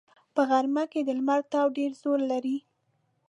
په غرمه کې د لمر تاو ډېر زور لري